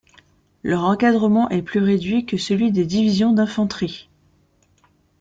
Leur encadrement est plus réduit que celui des divisions d'infanterie.